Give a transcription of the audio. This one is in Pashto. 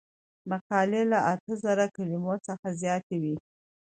مقالې له اته زره کلمو څخه زیاتې وي.